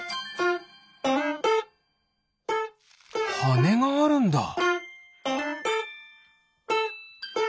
はねがあるんだ？